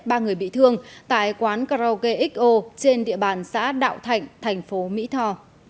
ba người bị thương tại quán karaoke xo trên địa bàn xã đạo thạnh thành phố mỹ thò